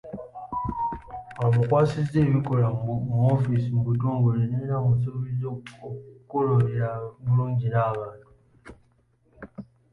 Amukwasizza ebikola mu woofiisi mu butongole era n’amusaba okukulembera obulungi abantu.